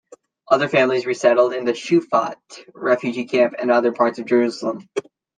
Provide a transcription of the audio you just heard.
Other families resettled in the Shu'afat refugee camp and other parts of Jerusalem.